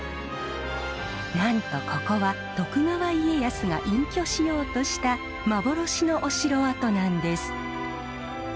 なんとここは徳川家康が隠居しようとした幻のお城跡なんです。